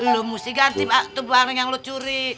lo mesti ganti bak tuh maling yang lo curi